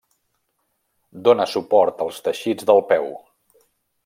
Dóna suport als teixits del peu.